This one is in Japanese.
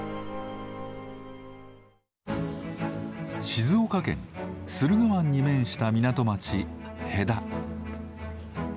静岡県駿河湾に面した港町戸田。